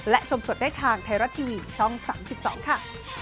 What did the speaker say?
และชมสดได้ทางไทยรัฐทีวีช่อง๓๒ค่ะ